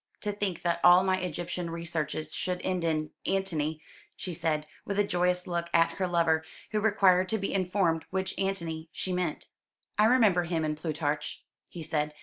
"To think that all my Egyptian researches should end in Antony!" she said, with a joyous look at her lover, who required to be informed which Antony she meant. "I remember him in Plutarch," he said.